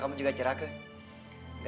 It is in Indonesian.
terima kasih sayang